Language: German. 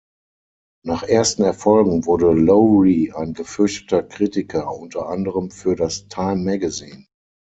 Nach ersten Erfolgen wurde Lowry ein gefürchteter Kritiker unter anderem für das "Time Magazine".